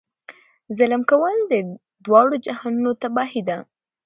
ظلم کول د دواړو جهانونو تباهي ده.